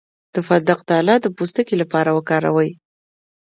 د فندق دانه د پوستکي لپاره وکاروئ